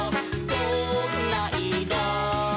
「どんないろ？」